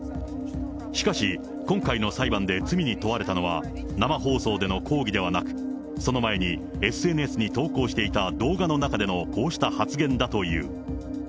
しかし、今回の裁判で罪に問われたのは、生放送での抗議ではなく、その前にＳＮＳに投稿していた動画の中でのこうした発言だという。